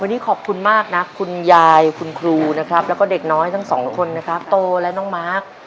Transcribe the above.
วันนี้ขอบคุณมากนะคุณยายคุณครูนะครับแล้วก็เด็กน้อยทั้งสองคนนะครับโตและน้องมาร์ค